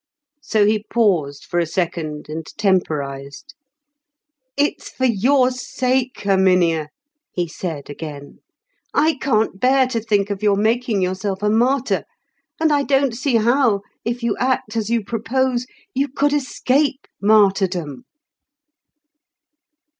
So he paused for a second and temporised. "It's for your sake, Herminia," he said again; "I can't bear to think of your making yourself a martyr. And I don't see how, if you act as you propose, you could escape martyrdom."